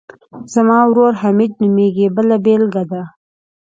زما ورور حمید نومیږي بله بېلګه ده.